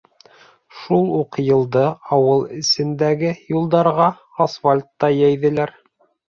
Шул уҡ йылды ауыл эсендәге юлдарға асфальт та йәйҙеләр.